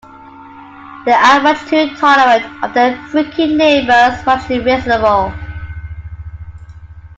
They are much too tolerant of their freaking neighbours, much too reasonable.